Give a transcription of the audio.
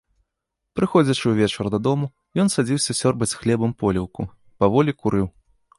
Прыходзячы ўвечары дадому, ён садзіўся сёрбаць з хлебам поліўку, паволі курыў.